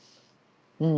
うん。